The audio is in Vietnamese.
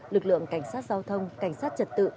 lực lượng cảnh sát giao thông cảnh sát trật tự